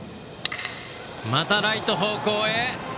またライト方向へ。